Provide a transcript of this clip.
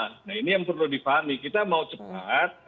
nah ini yang perlu di fahami kita mau cepat